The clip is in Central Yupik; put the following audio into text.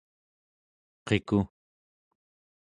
qiku